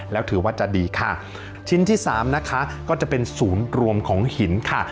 แล้วถือว่าจะดีค่ะชิ้นที่สามนะคะก็จะเป็นศูนย์รวมของหินค่ะ